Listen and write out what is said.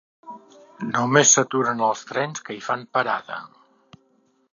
Només s'aturen els trens que hi fan parada.